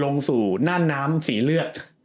ลงสู่น่านน้ำสีเลือด